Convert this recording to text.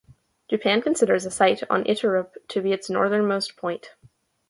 Japan considers a site on Iturup to be its northernmost point.